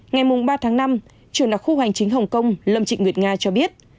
ngày ba tháng năm chủ đặc khu hành chính hồng kông lâm trịnh nguyệt nga cho biết